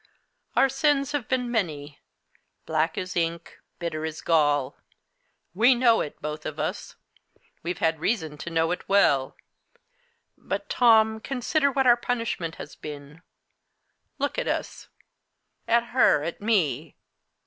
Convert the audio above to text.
Our sins have been many black as ink, bitter as gall. We know it, both of us. We've had reason to know it well. But, Tom, consider what our punishment has been. Look at us at her, at me.